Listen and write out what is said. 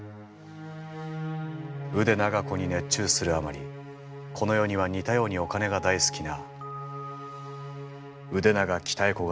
腕長子に熱中するあまりこの世には似たようにお金が大好きな腕長鍛子がいること。